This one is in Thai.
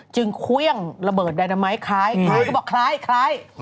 จึงเครื่องระเบิดไดนามไม้คล้ายคล้าย